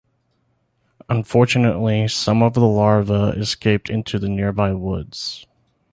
Unfortunately, some of the larvae escaped into the nearby woods.